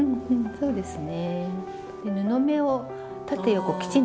そうですね。